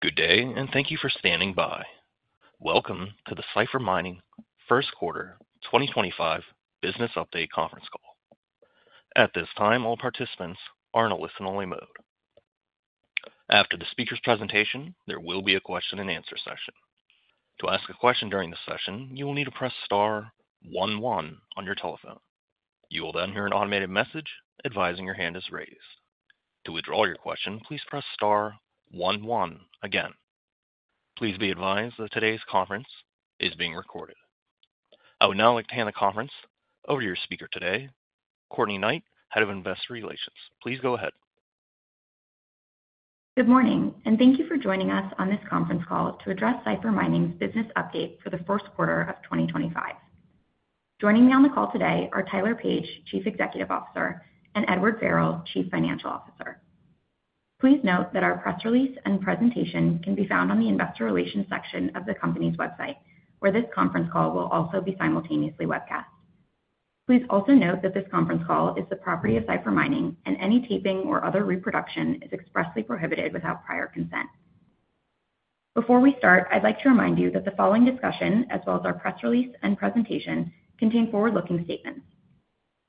Good day, and thank you for standing by. Welcome to the Cipher Mining First Quarter 2025 Business Update Conference Call. At this time, all participants are in a listen-only mode. After the speaker's presentation, there will be a question-and-answer session. To ask a question during the session, you will need to press star one one on your telephone. You will then hear an automated message advising your hand is raised. To withdraw your question, please press star one one again. Please be advised that today's conference is being recorded. I would now like to hand the conference over to your speaker today, Courtney Knight, Head of Investor Relations. Please go ahead. Good morning, and thank you for joining us on this conference call to address Cipher Mining's business update for the first quarter of 2025. Joining me on the call today are Tyler Page, Chief Executive Officer, and Edward Farrell, Chief Financial Officer. Please note that our press release and presentation can be found on the Investor Relations section of the company's website, where this conference call will also be simultaneously webcast. Please also note that this conference call is the property of Cipher Mining, and any taping or other reproduction is expressly prohibited without prior consent. Before we start, I'd like to remind you that the following discussion, as well as our press release and presentation, contain forward-looking statements.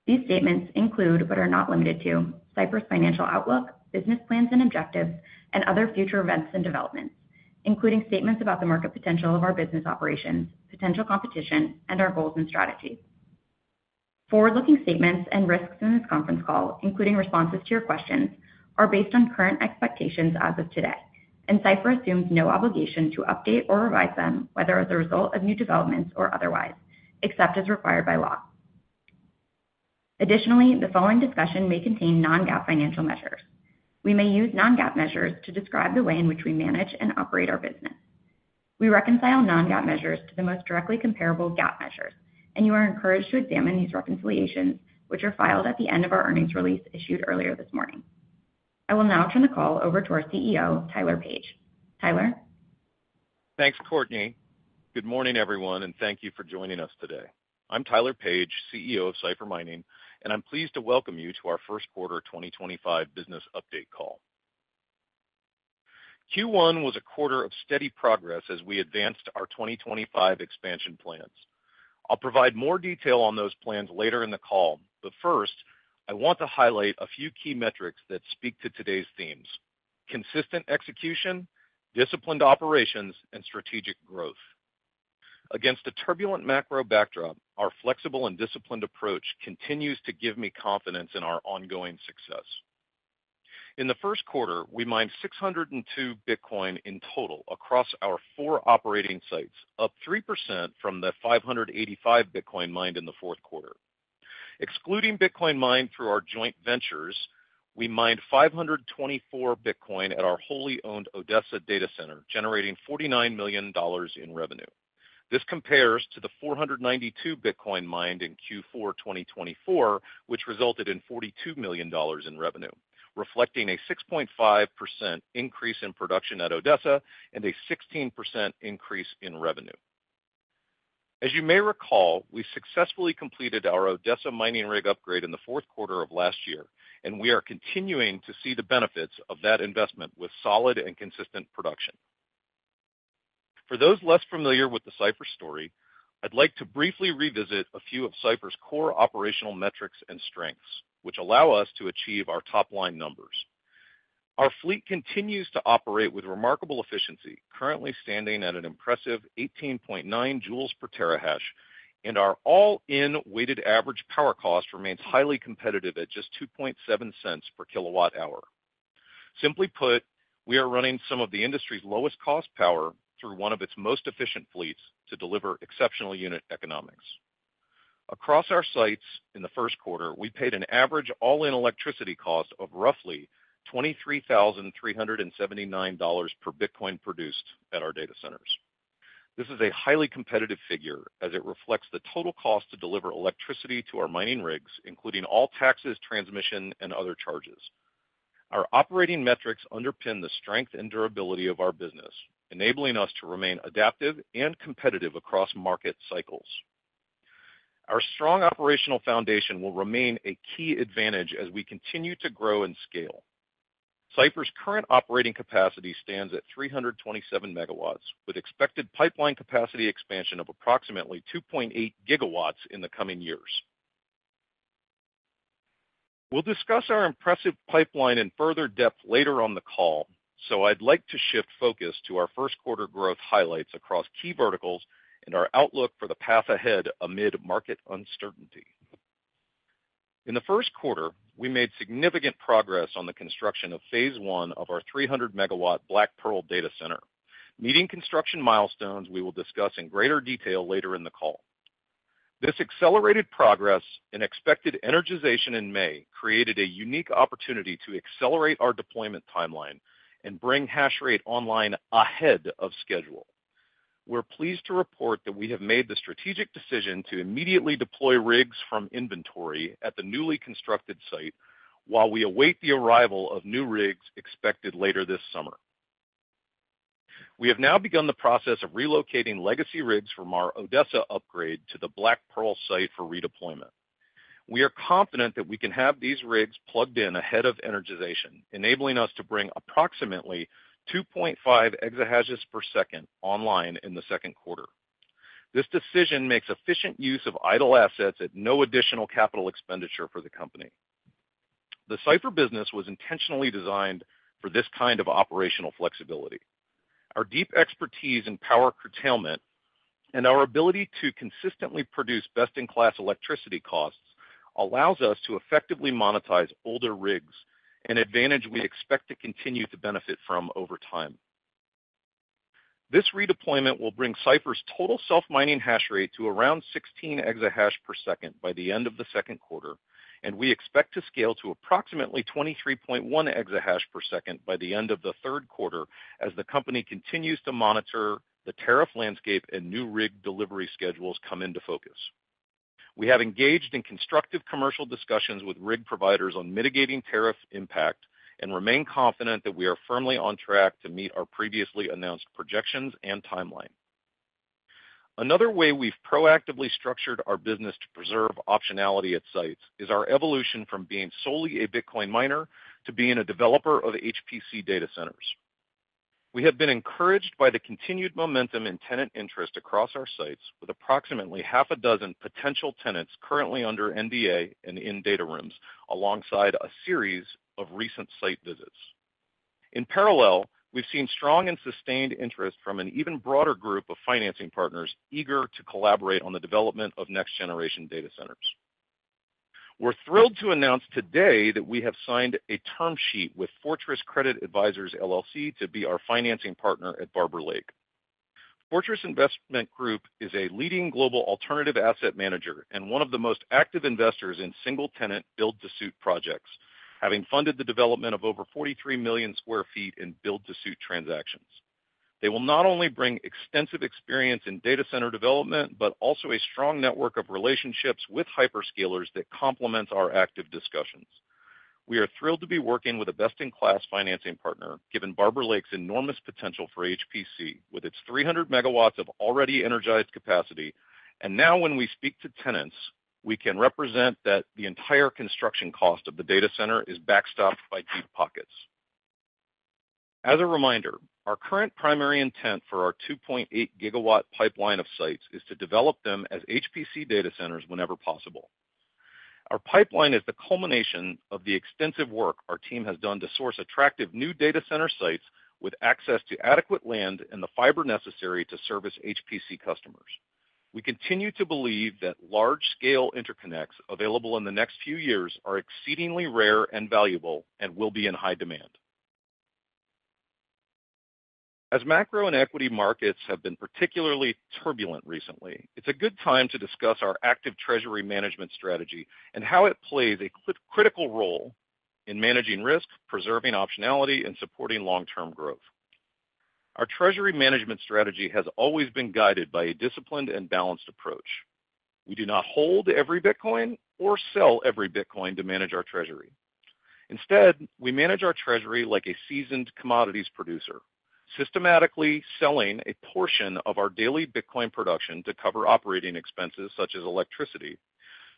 These statements include, but are not limited to, Cipher Mining financial outlook, business plans and objectives, and other future events and developments, including statements about the market potential of our business operations, potential competition, and our goals and strategies. Forward-looking statements and risks in this conference call, including responses to your questions, are based on current expectations as of today, and Cipher Mining assumes no obligation to update or revise them, whether as a result of new developments or otherwise, except as required by law. Additionally, the following discussion may contain non-GAAP financial measures. We may use non-GAAP measures to describe the way in which we manage and operate our business. We reconcile non-GAAP measures to the most directly comparable GAAP measures, and you are encouraged to examine these reconciliations, which are filed at the end of our earnings release issued earlier this morning. I will now turn the call over to our CEO, Tyler Page. Tyler? Thanks, Courtney. Good morning, everyone, and thank you for joining us today. I'm Tyler Page, CEO of Cipher Mining, and I'm pleased to welcome you to our First Quarter 2025 Business Update Call. Q1 was a quarter of steady progress as we advanced our 2025 expansion plans. I'll provide more detail on those plans later in the call, but first, I want to highlight a few key metrics that speak to today's themes: consistent execution, disciplined operations, and strategic growth. Against a turbulent macro backdrop, our flexible and disciplined approach continues to give me confidence in our ongoing success. In the first quarter, we mined 602 Bitcoin in total across our four operating sites, up 3% from the 585 Bitcoin mined in the fourth quarter. Excluding Bitcoin mined through our joint ventures, we mined 524 Bitcoin at our wholly owned Odessa data center, generating $49 million in revenue. This compares to the 492 Bitcoin mined in Q4 2024, which resulted in $42 million in revenue, reflecting a 6.5% increase in production at Odessa and a 16% increase in revenue. As you may recall, we successfully completed our Odessa mining rig upgrade in the fourth quarter of last year, and we are continuing to see the benefits of that investment with solid and consistent production. For those less familiar with the Cipher story, I'd like to briefly revisit a few of Cipher's core operational metrics and strengths, which allow us to achieve our top-line numbers. Our fleet continues to operate with remarkable efficiency, currently standing at an impressive 18.9 J/TH, and our all-in weighted average power cost remains highly competitive at just $2.7 cents per kWh. Simply put, we are running some of the industry's lowest-cost power through one of its most efficient fleets to deliver exceptional unit economics. Across our sites in the first quarter, we paid an average all-in electricity cost of roughly $23,379 per Bitcoin produced at our data centers. This is a highly competitive figure as it reflects the total cost to deliver electricity to our mining rigs, including all taxes, transmission, and other charges. Our operating metrics underpin the strength and durability of our business, enabling us to remain adaptive and competitive across market cycles. Our strong operational foundation will remain a key advantage as we continue to grow and scale. Cipher's current operating capacity stands at 327 MW, with expected pipeline capacity expansion of approximately 2.8 GW in the coming years. We'll discuss our impressive pipeline in further depth later on the call, so I'd like to shift focus to our first quarter growth highlights across key verticals and our outlook for the path ahead amid market uncertainty. In the first quarter, we made significant progress on the construction of phase one of our 300 MW Black Pearl data center, meeting construction milestones we will discuss in greater detail later in the call. This accelerated progress and expected energization in May created a unique opportunity to accelerate our deployment timeline and bring hash rate online ahead of schedule. We're pleased to report that we have made the strategic decision to immediately deploy rigs from inventory at the newly constructed site while we await the arrival of new rigs expected later this summer. We have now begun the process of relocating legacy rigs from our Odessa upgrade to the Black Pearl site for redeployment. We are confident that we can have these rigs plugged in ahead of energization, enabling us to bring approximately 2.5 EH/s online in the second quarter. This decision makes efficient use of idle assets at no additional capital expenditure for the company. The Cipher business was intentionally designed for this kind of operational flexibility. Our deep expertise in power curtailment and our ability to consistently produce best-in-class electricity costs allows us to effectively monetize older rigs, an advantage we expect to continue to benefit from over time. This redeployment will bring Cipher's total self-mining hash rate to around 16 EH/s by the end of the second quarter, and we expect to scale to approximately 23.1 EH/s by the end of the third quarter as the company continues to monitor the tariff landscape and new rig delivery schedules come into focus. We have engaged in constructive commercial discussions with rig providers on mitigating tariff impact and remain confident that we are firmly on track to meet our previously announced projections and timeline. Another way we've proactively structured our business to preserve optionality at sites is our evolution from being solely a Bitcoin miner to being a developer of HPC data centers. We have been encouraged by the continued momentum in tenant interest across our sites, with approximately half a dozen potential tenants currently under NDA and in data rooms alongside a series of recent site visits. In parallel, we have seen strong and sustained interest from an even broader group of financing partners eager to collaborate on the development of next-generation data centers. We are thrilled to announce today that we have signed a term sheet with Fortress Credit Advisors LLC to be our financing partner at Barber Lake. Fortress Investment Group is a leading global alternative asset manager and one of the most active investors in single-tenant build-to-suit projects, having funded the development of over 43 million sq ft in build-to-suit transactions. They will not only bring extensive experience in data center development, but also a strong network of relationships with hyperscalers that complement our active discussions. We are thrilled to be working with a best-in-class financing partner, given Barber Lake's enormous potential for HPC with its 300 MW of already energized capacity. Now, when we speak to tenants, we can represent that the entire construction cost of the data center is backstopped by deep pockets. As a reminder, our current primary intent for our 2.8 GW pipeline of sites is to develop them as HPC data centers whenever possible. Our pipeline is the culmination of the extensive work our team has done to source attractive new data center sites with access to adequate land and the fiber necessary to service HPC customers. We continue to believe that large-scale interconnects available in the next few years are exceedingly rare and valuable and will be in high demand. As macro and equity markets have been particularly turbulent recently, it's a good time to discuss our active treasury management strategy and how it plays a critical role in managing risk, preserving optionality, and supporting long-term growth. Our treasury management strategy has always been guided by a disciplined and balanced approach. We do not hold every Bitcoin or sell every Bitcoin to manage our treasury. Instead, we manage our treasury like a seasoned commodities producer, systematically selling a portion of our daily Bitcoin production to cover operating expenses such as electricity,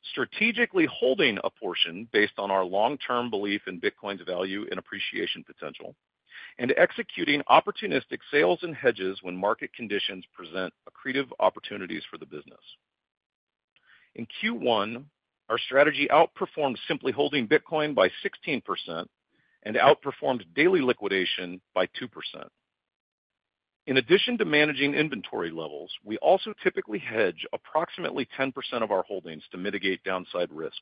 strategically holding a portion based on our long-term belief in Bitcoin's value and appreciation potential, and executing opportunistic sales and hedges when market conditions present accretive opportunities for the business. In Q1, our strategy outperformed simply holding Bitcoin by 16% and outperformed daily liquidation by 2%. In addition to managing inventory levels, we also typically hedge approximately 10% of our holdings to mitigate downside risk,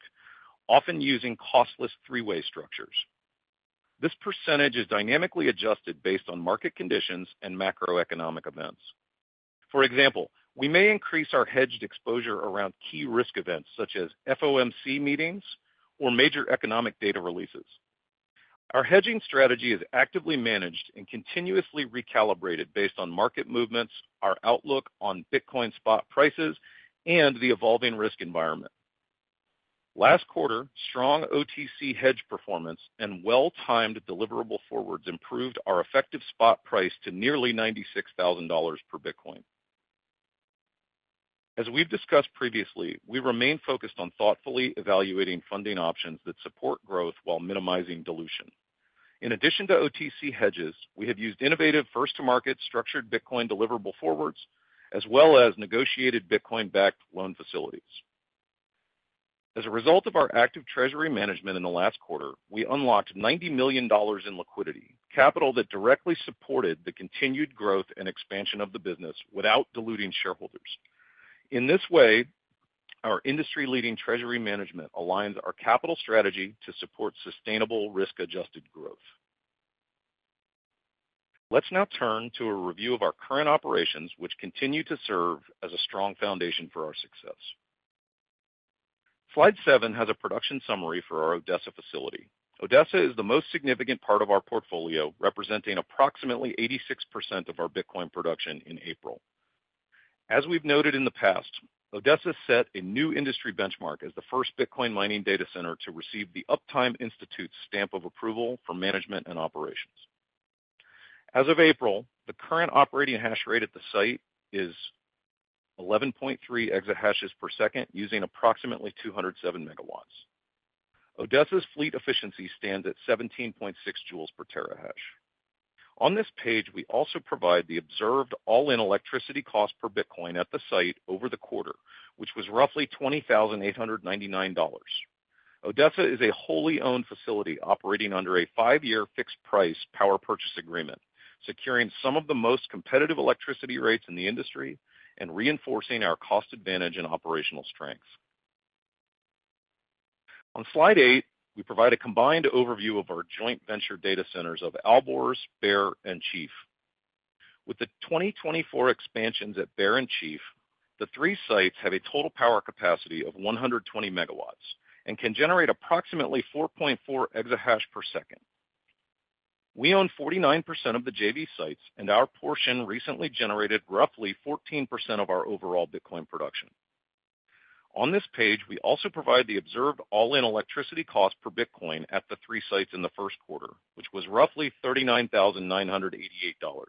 often using costless three-way structures. This percentage is dynamically adjusted based on market conditions and macroeconomic events. For example, we may increase our hedged exposure around key risk events such as FOMC meetings or major economic data releases. Our hedging strategy is actively managed and continuously recalibrated based on market movements, our outlook on Bitcoin spot prices, and the evolving risk environment. Last quarter, strong OTC hedge performance and well-timed deliverable forwards improved our effective spot price to nearly $96,000 per Bitcoin. As we've discussed previously, we remain focused on thoughtfully evaluating funding options that support growth while minimizing dilution. In addition to OTC hedges, we have used innovative first-to-market structured Bitcoin deliverable forwards, as well as negotiated Bitcoin-backed loan facilities. As a result of our active treasury management in the last quarter, we unlocked $90 million in liquidity, capital that directly supported the continued growth and expansion of the business without diluting shareholders. In this way, our industry-leading treasury management aligns our capital strategy to support sustainable risk-adjusted growth. Let's now turn to a review of our current operations, which continue to serve as a strong foundation for our success. slide 7 has a production summary for our Odessa facility. Odessa is the most significant part of our portfolio, representing approximately 86% of our Bitcoin production in April. As we've noted in the past, Odessa set a new industry benchmark as the first Bitcoin mining data center to receive the Uptime Institute stamp of approval for management and operations. As of April, the current operating hash rate at the site is 11.3 EH/s, using approximately 207 MW. Odessa's fleet efficiency stands at 17.6 J/TH. On this page, we also provide the observed all-in electricity cost per Bitcoin at the site over the quarter, which was roughly $20,899. Odessa is a wholly owned facility operating under a 5-year fixed-price power purchase agreement, securing some of the most competitive electricity rates in the industry and reinforcing our cost advantage and operational strength. On slide 8, we provide a combined overview of our joint venture data centers of Alborz, Bear, and Chief. With the 2024 expansions at Bear and Chief, the three sites have a total power capacity of 120 MW and can generate approximately 4.4 EH/s. We own 49% of the JV sites, and our portion recently generated roughly 14% of our overall Bitcoin production. On this page, we also provide the observed all-in electricity cost per Bitcoin at the three sites in the first quarter, which was roughly $39,988.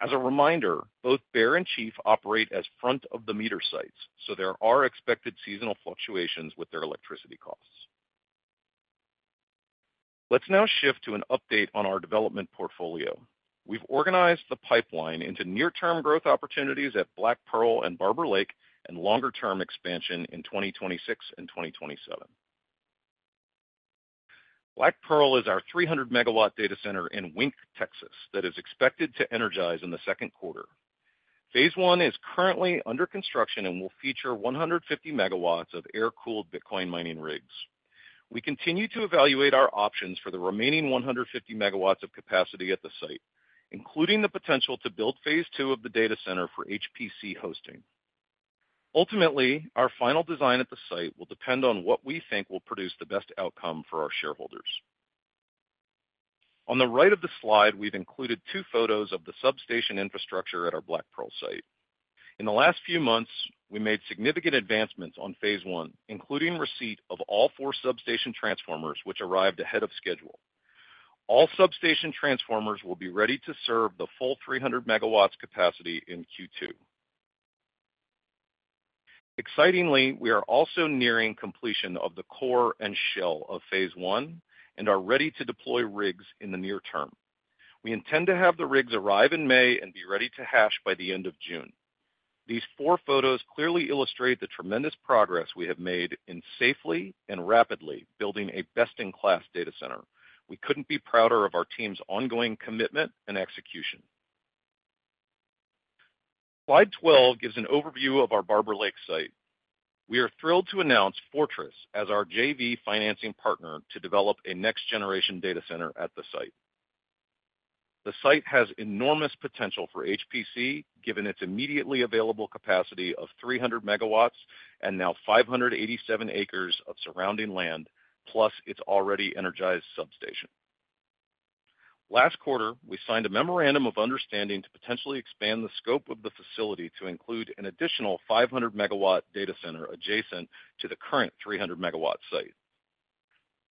As a reminder, both Bear and Chief operate as front-of-the-meter sites, so there are expected seasonal fluctuations with their electricity costs. Let's now shift to an update on our development portfolio. We've organized the pipeline into near-term growth opportunities at Black Pearl and Barber Lake and longer-term expansion in 2026 and 2027. Black Pearl is our 300 MW data center in Wink, Texas, that is expected to energize in the second quarter. Phase one is currently under construction and will feature 150 MW of air-cooled Bitcoin mining rigs. We continue to evaluate our options for the remaining 150 MW of capacity at the site, including the potential to build phase two of the data center for HPC hosting. Ultimately, our final design at the site will depend on what we think will produce the best outcome for our shareholders. On the right of the slide, we've included two photos of the substation infrastructure at our Black Pearl site. In the last few months, we made significant advancements on phase one, including receipt of all four substation transformers, which arrived ahead of schedule. All substation transformers will be ready to serve the full 300 MW capacity in Q2. Excitingly, we are also nearing completion of the core and shell of phase one and are ready to deploy rigs in the near term. We intend to have the rigs arrive in May and be ready to hash by the end of June. These four photos clearly illustrate the tremendous progress we have made in safely and rapidly building a best-in-class data center. We couldn't be prouder of our team's ongoing commitment and execution. slide 12 gives an overview of our Barber Lake site. We are thrilled to announce Fortress as our JV financing partner to develop a next-generation data center at the site. The site has enormous potential for HPC, given its immediately available capacity of 300 MW and now 587 acres of surrounding land, plus its already energized substation. Last quarter, we signed a Memorandum of Understanding to potentially expand the scope of the facility to include an additional 500 MW data center adjacent to the current 300 MW site.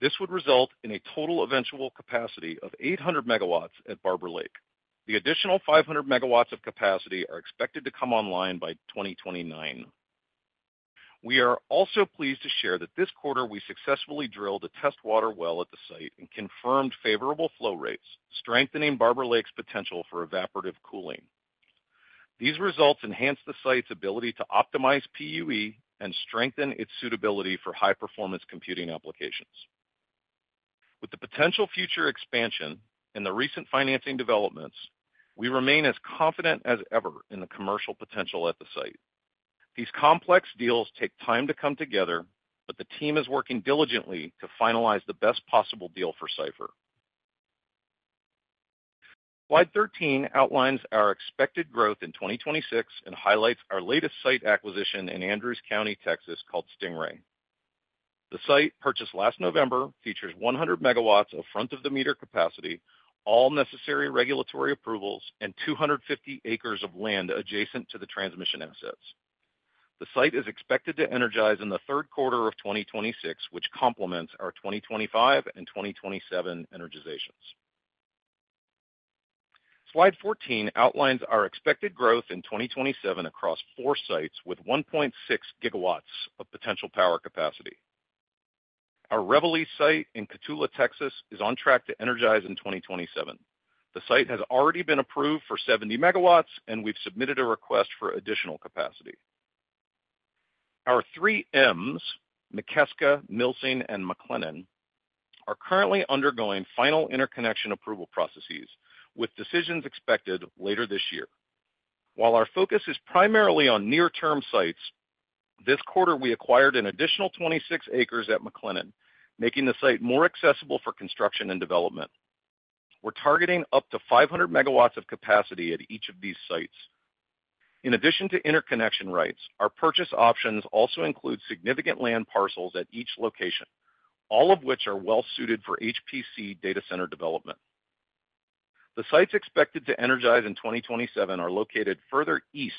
This would result in a total eventual capacity of 800 MW at Barber Lake. The additional 500 MW of capacity are expected to come online by 2029. We are also pleased to share that this quarter we successfully drilled a test water well at the site and confirmed favorable flow rates, strengthening Barber Lake's potential for evaporative cooling. These results enhance the site's ability to optimize PUE and strengthen its suitability for high-performance computing applications. With the potential future expansion and the recent financing developments, we remain as confident as ever in the commercial potential at the site. These complex deals take time to come together, but the team is working diligently to finalize the best possible deal for Cipher. slide 13 outlines our expected growth in 2026 and highlights our latest site acquisition in Andrews County, Texas, called Stingray. The site, purchased last November, features 100 MW of front-of-the-meter capacity, all necessary regulatory approvals, and 250 acres of land adjacent to the transmission assets. The site is expected to energize in the third quarter of 2026, which complements our 2025 and 2027 energizations. slide 14 outlines our expected growth in 2027 across four sites with 1.6 GW of potential power capacity. Our Reveille site in Cotulla, Texas, is on track to energize in 2027. The site has already been approved for 70 MW, and we've submitted a request for additional capacity. Our three Ms, Mikeska, Milsing, and McLennan, are currently undergoing final interconnection approval processes, with decisions expected later this year. While our focus is primarily on near-term sites, this quarter we acquired an additional 26 acres at McLennan, making the site more accessible for construction and development. We're targeting up to 500 MW of capacity at each of these sites. In addition to interconnection rights, our purchase options also include significant land parcels at each location, all of which are well-suited for HPC data center development. The sites expected to energize in 2027 are located further east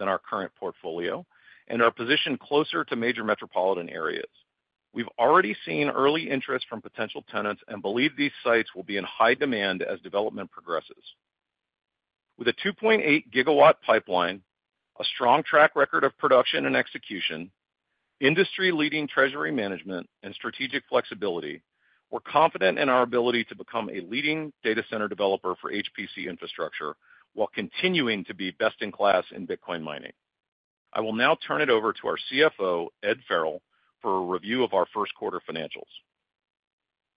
than our current portfolio and are positioned closer to major metropolitan areas. We've already seen early interest from potential tenants and believe these sites will be in high demand as development progresses. With a 2.8 GW pipeline, a strong track record of production and execution, industry-leading treasury management, and strategic flexibility, we're confident in our ability to become a leading data center developer for HPC infrastructure while continuing to be best-in-class in Bitcoin mining. I will now turn it over to our CFO, Ed Farrell, for a review of our first quarter financials.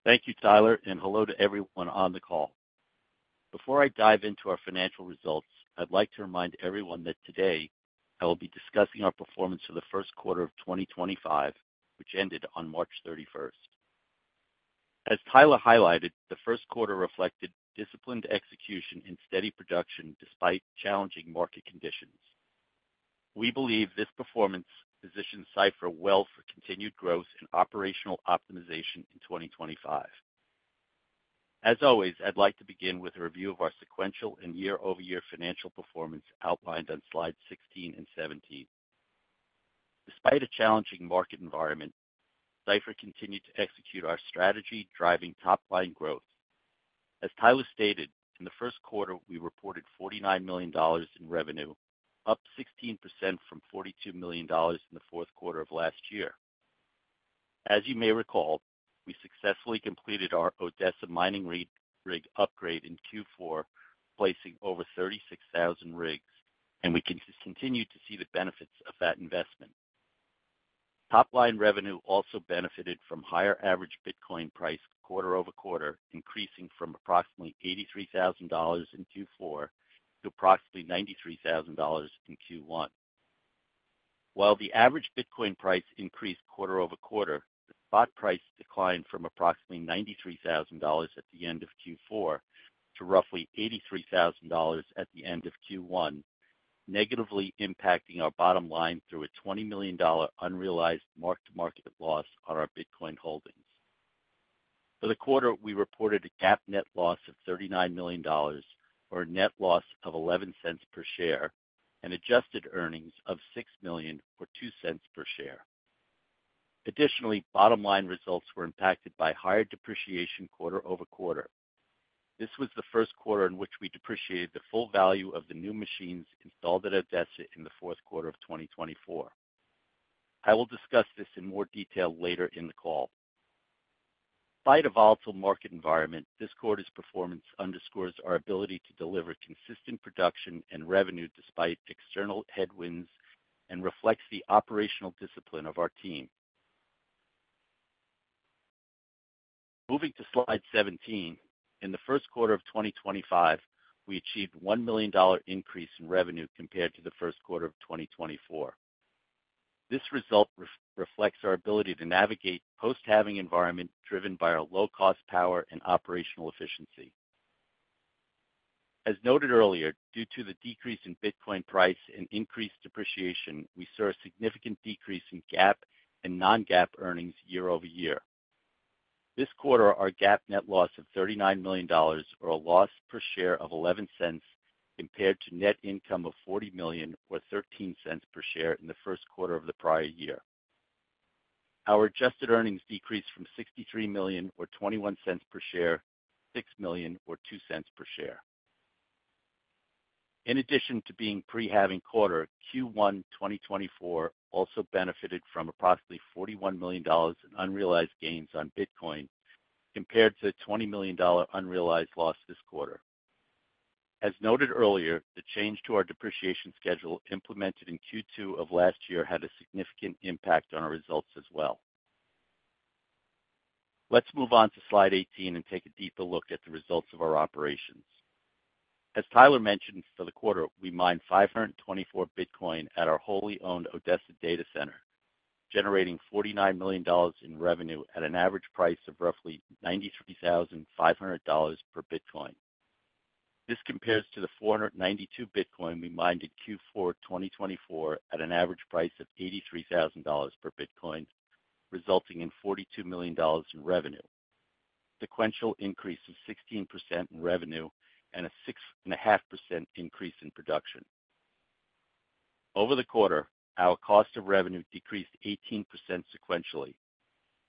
Thank you, Tyler, and hello to everyone on the call. Before I dive into our financial results, I'd like to remind everyone that today I will be discussing our performance for the first quarter of 2025, which ended on March 31st. As Tyler highlighted, the first quarter reflected disciplined execution and steady production despite challenging market conditions. We believe this performance positions Cipher well for continued growth and operational optimization in 2025. As always, I'd like to begin with a review of our sequential and year-over-year financial performance outlined on slides 16 and 17. Despite a challenging market environment, Cipher continued to execute our strategy, driving top-line growth. As Tyler stated, in the first quarter, we reported $49 million in revenue, up 16% from $42 million in the fourth quarter of last year. As you may recall, we successfully completed our Odessa mining rig upgrade in Q4, placing over 36,000 rigs, and we can continue to see the benefits of that investment. Top-line revenue also benefited from higher average Bitcoin price quarter-over-quarter, increasing from approximately $83,000 in Q4 to approximately $93,000 in Q1. While the average Bitcoin price increased quarter-over-quarter, the spot price declined from approximately $93,000 at the end of Q4 to roughly $83,000 at the end of Q1, negatively impacting our bottom line through a $20 million unrealized mark-to-market loss on our Bitcoin holdings. For the quarter, we reported a GAAP net loss of $39 million, or a net loss of $0.11 per share, and adjusted earnings of $6 million, or $0.02 per share. Additionally, bottom-line results were impacted by higher depreciation quarter-over-quarter. This was the first quarter in which we depreciated the full value of the new machines installed at Odessa in the fourth quarter of 2024. I will discuss this in more detail later in the call. Despite a volatile market environment, this quarter's performance underscores our ability to deliver consistent production and revenue despite external headwinds and reflects the operational discipline of our team. Moving to slide 17, in the first quarter of 2025, we achieved a $1 million increase in revenue compared to the first quarter of 2024. This result reflects our ability to navigate a post-halving environment driven by our low-cost power and operational efficiency. As noted earlier, due to the decrease in Bitcoin price and increased depreciation, we saw a significant decrease in GAAP and non-GAAP earnings year-over-year. This quarter, our GAAP net loss of $39 million or a loss per share of $0.11 compared to net income of $40 million, or $0.13 per share in the first quarter of the prior year. Our adjusted earnings decreased from $63 million, or $0.21 per share, to $6 million, or $0.02 per share. In addition to being a pre-halving quarter, Q1 2024 also benefited from approximately $41 million in unrealized gains on Bitcoin compared to the $20 million unrealized loss this quarter. As noted earlier, the change to our depreciation schedule implemented in Q2 of last year had a significant impact on our results as well. Let's move on to slide 18 and take a deeper look at the results of our operations. As Tyler mentioned, for the quarter, we mined 524 Bitcoin at our wholly owned Odessa data center, generating $49 million in revenue at an average price of roughly $93,500 per Bitcoin. This compares to the 492 Bitcoin we mined in Q4 2024 at an average price of $83,000 per Bitcoin, resulting in $42 million in revenue, a sequential increase of 16% in revenue, and a 6.5% increase in production. Over the quarter, our cost of revenue decreased 18% sequentially.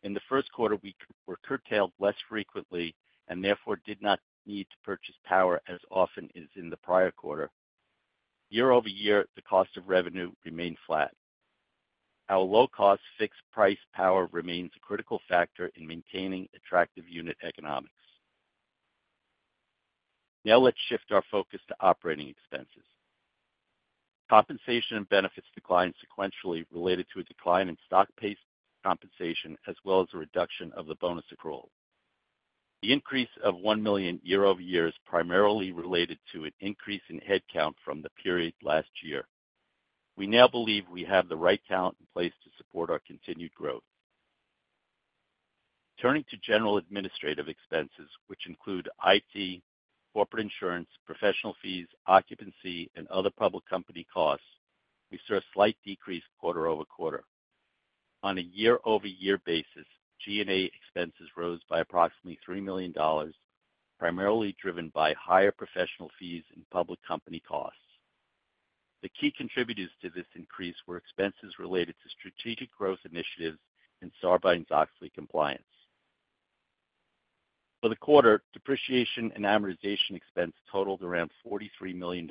In the first quarter, we were curtailed less frequently and therefore did not need to purchase power as often as in the prior quarter. year-over-year, the cost of revenue remained flat. Our low-cost fixed-price power remains a critical factor in maintaining attractive unit economics. Now let's shift our focus to operating expenses. Compensation and benefits declined sequentially related to a decline in stock-based compensation, as well as a reduction of the bonus accrual. The increase of $1 million year-over-year is primarily related to an increase in headcount from the period last year. We now believe we have the right talent in place to support our continued growth. Turning to general administrative expenses, which include IT, corporate insurance, professional fees, occupancy, and other public company costs, we saw a slight decrease quarter-over-quarter. On a year-over-year basis, G&A expenses rose by approximately $3 million, primarily driven by higher professional fees and public company costs. The key contributors to this increase were expenses related to strategic growth initiatives and Sarbanes-Oxley compliance. For the quarter, depreciation and amortization expenses totaled around $43 million,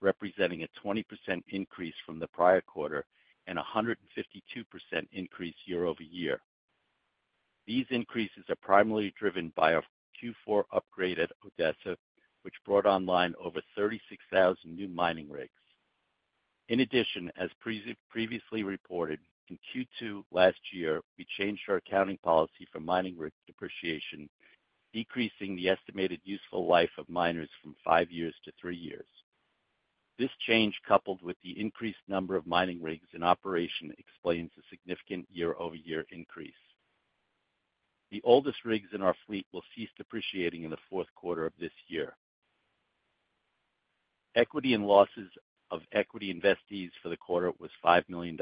representing a 20% increase from the prior quarter and a 152% increase year-over-year. These increases are primarily driven by our Q4 upgrade at Odessa, which brought online over 36,000 new mining rigs. In addition, as previously reported, in Q2 last year, we changed our accounting policy for mining rig depreciation, decreasing the estimated useful life of miners from 5 years to 3 years. This change, coupled with the increased number of mining rigs in operation, explains the significant year-over-year increase. The oldest rigs in our fleet will cease depreciating in the fourth quarter of this year. Equity and losses of equity investees for the quarter was $5 million.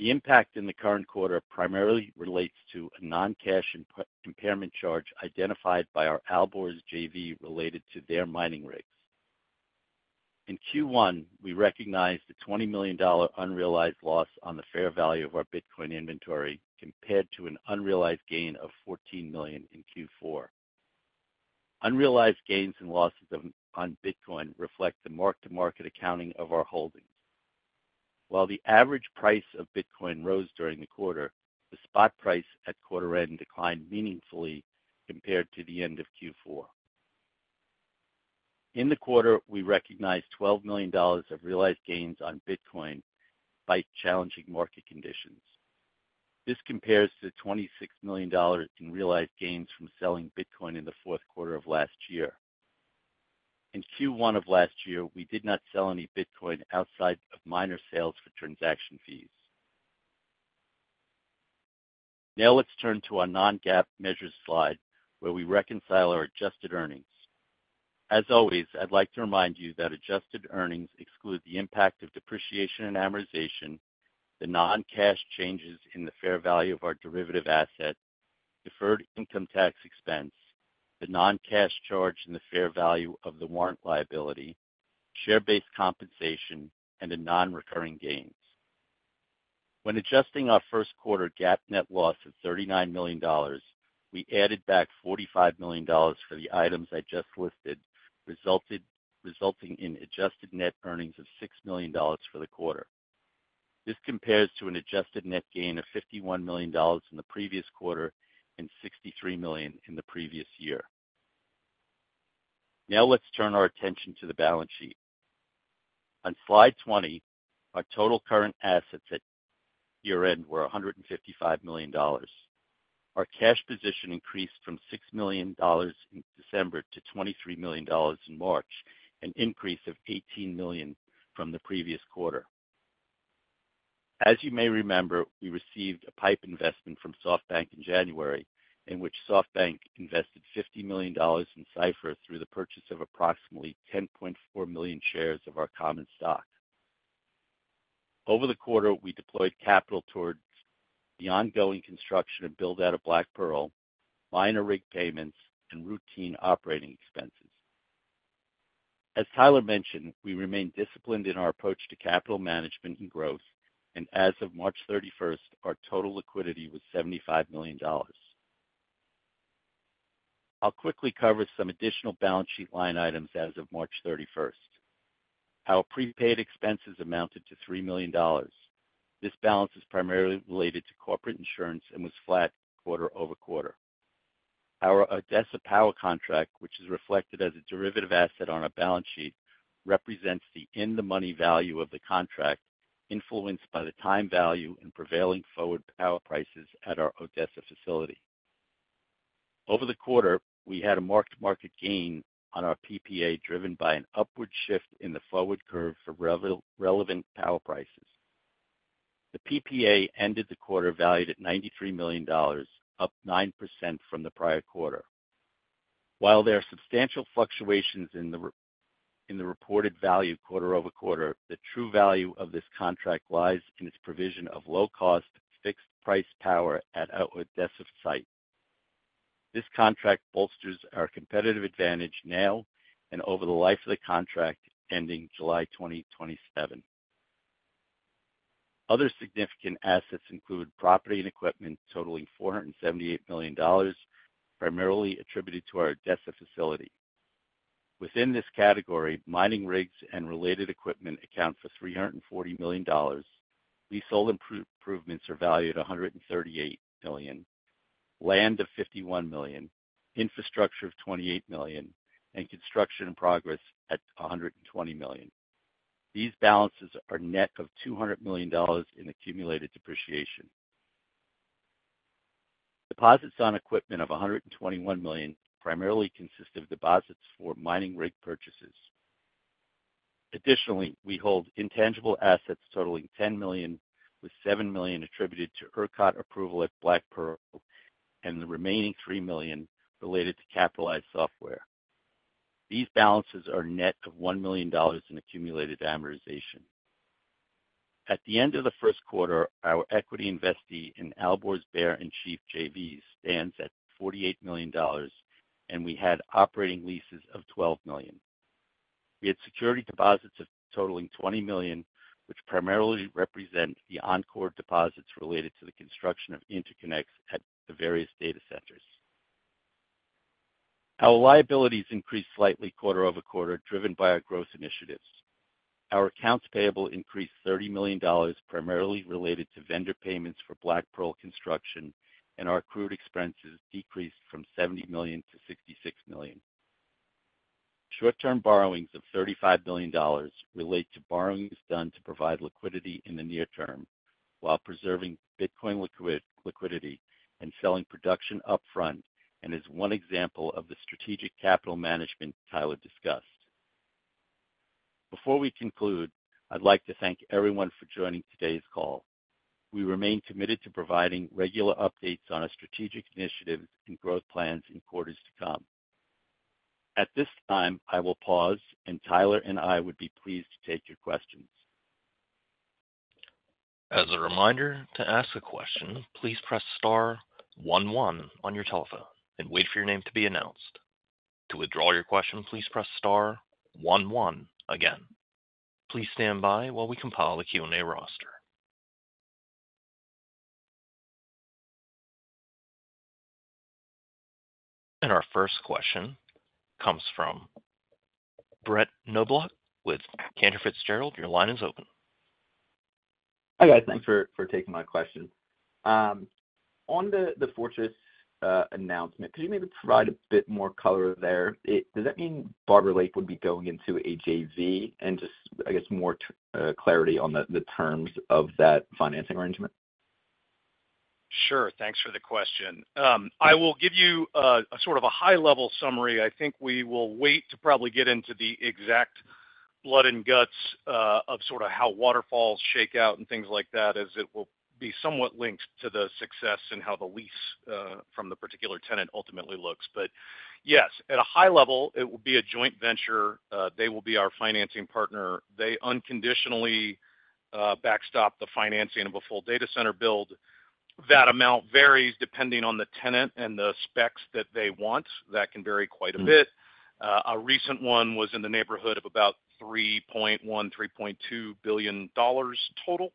The impact in the current quarter primarily relates to a non-cash impairment charge identified by our Alborz JV related to their mining rigs. In Q1, we recognized a $20 million unrealized loss on the fair value of our Bitcoin inventory compared to an unrealized gain of $14 million in Q4. Unrealized gains and losses on Bitcoin reflect the mark-to-market accounting of our holdings. While the average price of Bitcoin rose during the quarter, the spot price at quarter-end declined meaningfully compared to the end of Q4. In the quarter, we recognized $12 million of realized gains on Bitcoin despite challenging market conditions. This compares to the $26 million in realized gains from selling Bitcoin in the fourth quarter of last year. In Q1 of last year, we did not sell any Bitcoin outside of minor sales for transaction fees. Now let's turn to our non-GAAP measures slide, where we reconcile our adjusted earnings. As always, I'd like to remind you that adjusted earnings exclude the impact of depreciation and amortization, the non-cash changes in the fair value of our derivative asset, deferred income tax expense, the non-cash charge in the fair value of the warrant liability, share-based compensation, and the non-recurring gains. When adjusting our first quarter GAAP net loss of $39 million, we added back $45 million for the items I just listed, resulting in adjusted net earnings of $6 million for the quarter. This compares to an adjusted net gain of $51 million in the previous quarter and $63 million in the previous year. Now let's turn our attention to the balance sheet. On slide 20, our total current assets at year-end were $155 million. Our cash position increased from $6 million in December to $23 million in March, an increase of $18 million from the previous quarter. As you may remember, we received a PIPE investment from SoftBank in January, in which SoftBank invested $50 million in Cipher through the purchase of approximately 10.4 million shares of our common stock. Over the quarter, we deployed capital towards the ongoing construction and build-out of Black Pearl, miner rig payments, and routine operating expenses. As Tyler mentioned, we remain disciplined in our approach to capital management and growth, and as of March 31st, our total liquidity was $75 million. I'll quickly cover some additional balance sheet line items as of March 31st. Our prepaid expenses amounted to $3 million. This balance is primarily related to corporate insurance and was flat quarter-over-quarter. Our Odessa power contract, which is reflected as a derivative asset on our balance sheet, represents the in-the-money value of the contract, influenced by the time value and prevailing forward power prices at our Odessa facility. Over the quarter, we had a mark-to-market gain on our PPA, driven by an upward shift in the forward curve for relevant power prices. The PPA ended the quarter valued at $93 million, up 9% from the prior quarter. While there are substantial fluctuations in the reported value quarter-over-quarter, the true value of this contract lies in its provision of low-cost fixed-price power at our Odessa site. This contract bolsters our competitive advantage now and over the life of the contract ending July 2027. Other significant assets include property and equipment totaling $478 million, primarily attributed to our Odessa facility. Within this category, mining rigs and related equipment account for $340 million. Resold improvements are valued at $138 million, land of $51 million, infrastructure of $28 million, and construction in progress at $120 million. These balances are net of $200 million in accumulated depreciation. Deposits on equipment of $121 million primarily consist of deposits for mining rig purchases. Additionally, we hold intangible assets totaling $10 million, with $7 million attributed to ERCOT approval at Black Pearl and the remaining $3 million related to capitalized software. These balances are net of $1 million in accumulated amortization. At the end of the first quarter, our equity investee in Alborz, Bear & Chief JV stands at $48 million, and we had operating leases of $12 million. We had security deposits totaling $20 million, which primarily represent the ERCOT deposits related to the construction of interconnects at the various data centers. Our liabilities increased slightly quarter-over-quarter, driven by our growth initiatives. Our accounts payable increased $30 million, primarily related to vendor payments for Black Pearl construction, and our accrued expenses decreased from $70 million to $66 million. Short-term borrowings of $35 million relate to borrowings done to provide liquidity in the near term while preserving Bitcoin liquidity and selling production upfront, and is one example of the strategic capital management Tyler discussed. Before we conclude, I'd like to thank everyone for joining today's call. We remain committed to providing regular updates on our strategic initiatives and growth plans in quarters to come. At this time, I will pause, and Tyler and I would be pleased to take your questions. As a reminder to ask a question, please press star one one on your telephone and wait for your name to be announced. To withdraw your question, please press star one one again. Please stand by while we compile the Q&A roster. Our first question comes from Brett Knoblauch with Cantor Fitzgerald. Your line is open. Hi, guys. Thanks for taking my question. On the Fortress announcement, could you maybe provide a bit more color there? Does that mean Barber Lake would be going into a JV? Just, I guess, more clarity on the terms of that financing arrangement? Sure. Thanks for the question. I will give you a sort of a high-level summary. I think we will wait to probably get into the exact blood and guts of sort of how waterfalls shake out and things like that, as it will be somewhat linked to the success and how the lease from the particular tenant ultimately looks. Yes, at a high level, it will be a joint venture. They will be our financing partner. They unconditionally backstopped the financing of a full data center build. That amount varies depending on the tenant and the specs that they want. That can vary quite a bit. A recent one was in the neighborhood of about $3.1 billion-$3.2 billion total.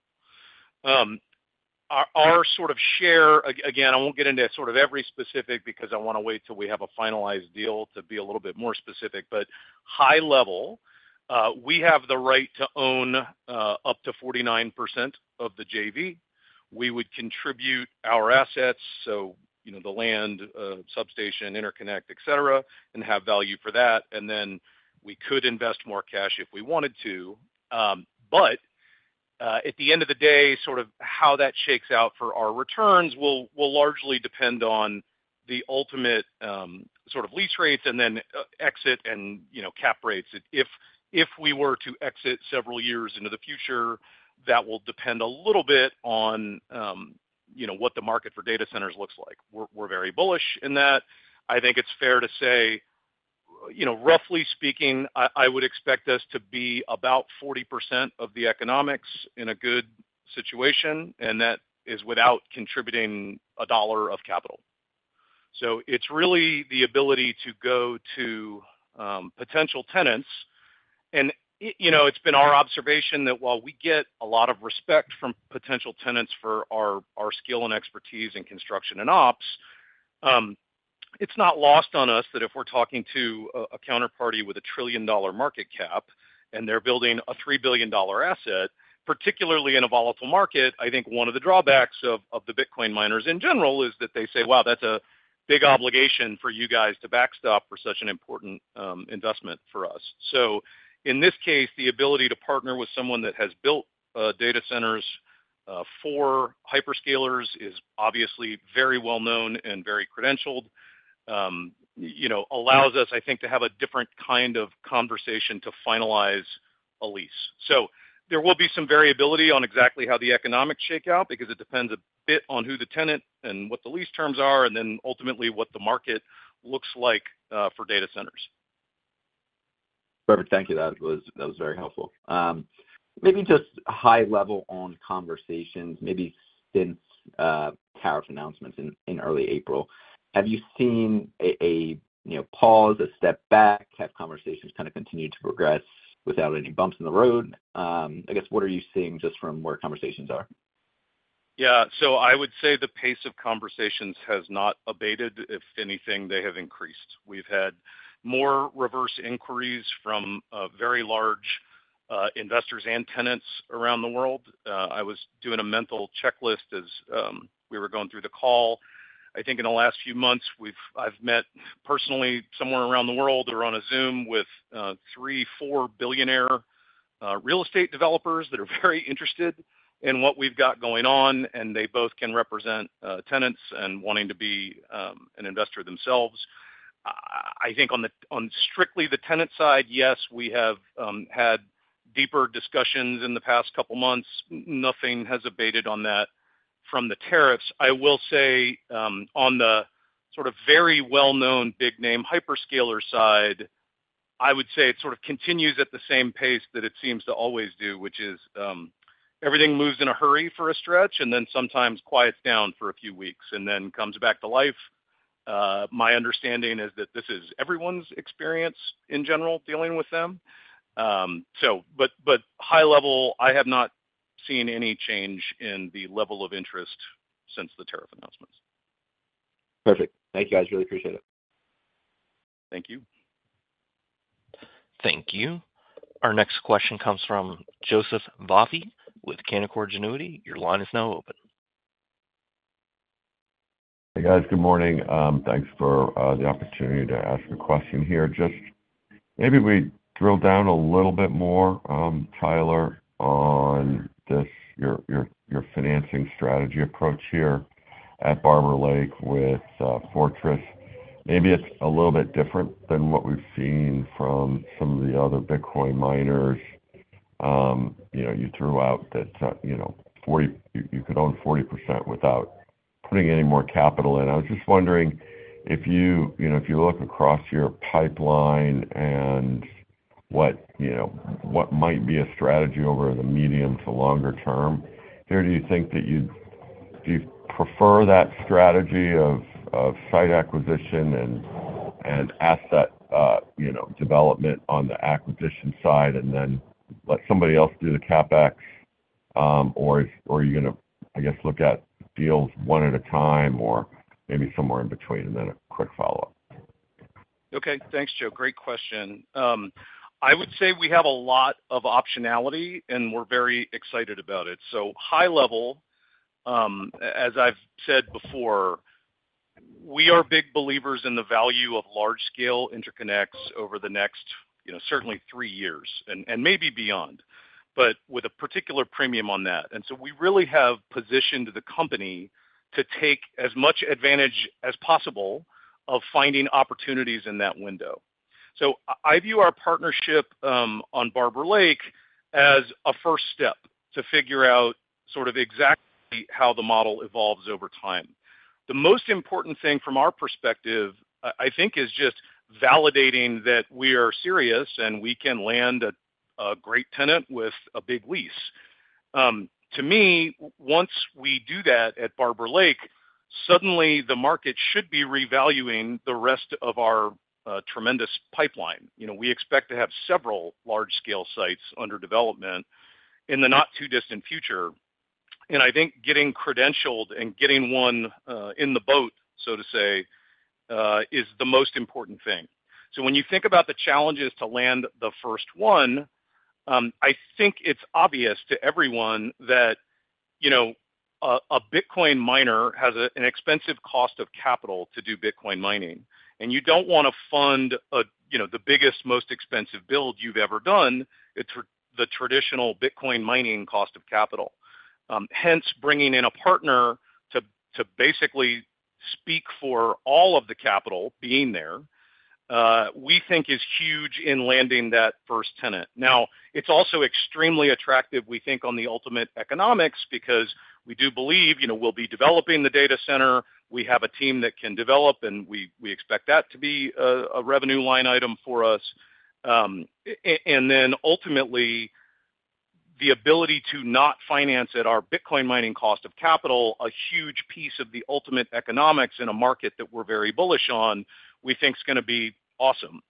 Our sort of share again, I won't get into sort of every specific because I want to wait till we have a finalized deal to be a little bit more specific. At a high level, we have the right to own up to 49% of the JV. We would contribute our assets, so the land, substation, interconnect, etc., and have value for that. Then we could invest more cash if we wanted to. At the end of the day, sort of how that shakes out for our returns will largely depend on the ultimate sort of lease rates and then exit and cap rates. If we were to exit several years into the future, that will depend a little bit on what the market for data centers looks like. We're very bullish in that. I think it's fair to say, roughly speaking, I would expect us to be about 40% of the economics in a good situation, and that is without contributing a dollar of capital. It is really the ability to go to potential tenants. It has been our observation that while we get a lot of respect from potential tenants for our skill and expertise in construction and ops, it is not lost on us that if we are talking to a counterparty with a trillion-dollar market cap and they are building a $3 billion asset, particularly in a volatile market, I think one of the drawbacks of the Bitcoin miners in general is that they say, "Wow, that is a big obligation for you guys to backstop for such an important investment for us." In this case, the ability to partner with someone that has built data centers for hyperscalers is obviously very well-known and very credentialed, allows us, I think, to have a different kind of conversation to finalize a lease. There will be some variability on exactly how the economics shake out because it depends a bit on who the tenant is and what the lease terms are, and then ultimately what the market looks like for data centers. Perfect. Thank you. That was very helpful. Maybe just high-level on conversations, maybe since Tariff announcements in early April, have you seen a pause, a step back, have conversations kind of continued to progress without any bumps in the road? I guess, what are you seeing just from where conversations are? Yeah. I would say the pace of conversations has not abated. If anything, they have increased. We've had more reverse inquiries from very large investors and tenants around the world. I was doing a mental checklist as we were going through the call. I think in the last few months, I've met personally somewhere around the world or on a Zoom with three, four billionaire real estate developers that are very interested in what we've got going on, and they both can represent tenants and wanting to be an investor themselves. I think on strictly the tenant side, yes, we have had deeper discussions in the past couple of months. Nothing has abated on that from the tariffs. I will say on the sort of very well-known big-name hyperscaler side, I would say it sort of continues at the same pace that it seems to always do, which is everything moves in a hurry for a stretch and then sometimes quiets down for a few weeks and then comes back to life. My understanding is that this is everyone's experience in general dealing with them. a high level, I have not seen any change in the level of interest since the tariff announcements. Perfect. Thank you, guys. Really appreciate it. Thank you. Thank you. Our next question comes from Joseph Vafi with Canaccord Genuity. Your line is now open. Hey, guys. Good morning. Thanks for the opportunity to ask a question here. Just maybe we drill down a little bit more, Tyler, on your financing strategy approach here at Barber Lake with Fortress. Maybe it is a little bit different than what we have seen from some of the other Bitcoin miners. You threw out that you could own 40% without putting any more capital in. I was just wondering if you look across your pipeline and what might be a strategy over the medium to longer term, here do you think that you'd prefer that strategy of site acquisition and asset development on the acquisition side and then let somebody else do the CapEx? Or are you going to, I guess, look at deals one at a time or maybe somewhere in between and then a quick follow-up? Okay. Thanks, Joe. Great question. I would say we have a lot of optionality, and we're very excited about it. High level, as I've said before, we are big believers in the value of large-scale interconnects over the next certainly three years and maybe beyond, with a particular premium on that. We really have positioned the company to take as much advantage as possible of finding opportunities in that window. I view our partnership on Barber Lake as a first step to figure out sort of exactly how the model evolves over time. The most important thing from our perspective, I think, is just validating that we are serious and we can land a great tenant with a big lease. To me, once we do that at Barber Lake, suddenly the market should be revaluing the rest of our tremendous pipeline. We expect to have several large-scale sites under development in the not-too-distant future. I think getting credentialed and getting one in the boat, so to say, is the most important thing. When you think about the challenges to land the first one, I think it's obvious to everyone that a Bitcoin miner has an expensive cost of capital to do Bitcoin mining. You do not want to fund the biggest, most expensive build you have ever done, the traditional Bitcoin mining cost of capital. Hence, bringing in a partner to basically speak for all of the capital being there, we think is huge in landing that first tenant. It is also extremely attractive, we think, on the ultimate economics because we do believe we will be developing the data center. We have a team that can develop, and we expect that to be a revenue line item for us. Ultimately, the ability to not finance at our Bitcoin mining cost of capital, a huge piece of the ultimate economics in a market that we are very bullish on, we think is going to be awesome.